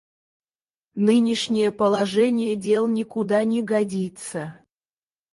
Нынешнее положение дел никуда не годится.